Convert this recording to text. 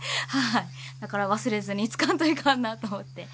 だから忘れずにつかんといかんなと思って。